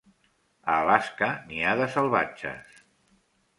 A Alaska, n'hi ha de salvatges.